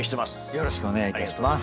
よろしくお願いします。